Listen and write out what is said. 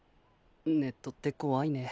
ネットって怖いね。